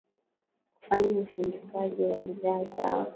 kufanya usindikaji wa bidhaa zao